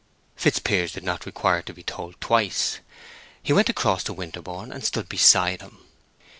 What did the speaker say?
Fitzpiers did not require to be told twice. He went across to Winterborne and stood beside him.